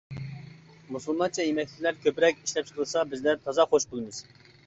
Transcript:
مۇسۇلمانچە يېمەكلىكلەر كۆپرەك ئىشلەپچىقىرىلسا بىزلەر تازا خوش بولىمىز.